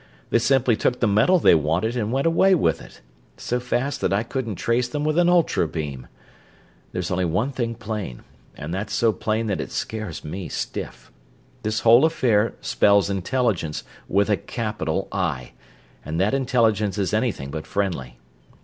They simply took the metal they wanted and went away with it so fast that I couldn't trace them with an ultra beam. There's only one thing plain; but that's so plain that it scares me stiff. This whole affair spells intelligence, with a capital "I", and that intelligence is anything but friendly.